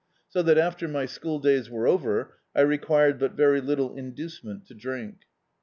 So that, after my school days were over, I required but very little induce ment to drink.